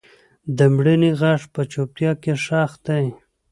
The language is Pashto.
د مړینې غږ په چوپتیا کې ښخ دی.